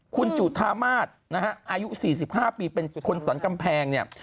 คุณจุธามาศนะฮะอายุ๔๕ปีเป็นคนสรรกำแพงเนี่ย